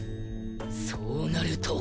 そうなると。